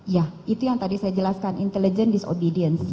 ya itu yang tadi saya jelaskan intelligence is obedience